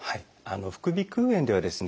副鼻腔炎ではですね